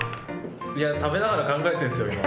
いや食べながら考えてるんすよ